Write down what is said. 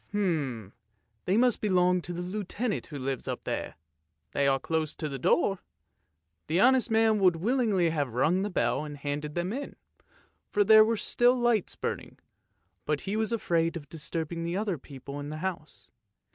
" They must belong to the Lieutenant who lives up there, they are close to the door." The honest man would willingly have rung the bell and handed them in, for there were still lights burning, but he was afraid of disturbing the other people in the house.